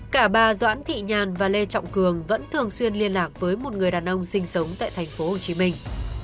cả bà doãn thị nhàn và lê trọng cường vẫn thường xuyên liên lạc với một người đàn ông sinh sống tại thành phố hồ chí minh